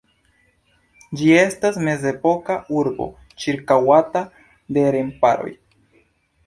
Ĝi estas mezepoka urbo ĉirkaŭata de remparoj.